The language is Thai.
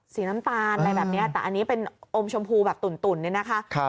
น้ำตาลอะไรแบบนี้แต่อันนี้เป็นอมชมพูแบบตุ่นเนี่ยนะคะ